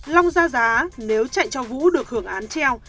long ra giá nếu chạy cho vũ được hưởng án treo